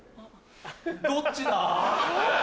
どっちだぁ？